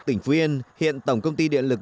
tỉnh phú yên hiện tổng công ty điện lực